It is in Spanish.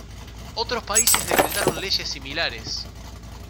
Otros países decretaron leyes similares.